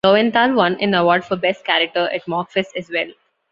Lowenthal won an award for best character at MockFest as well.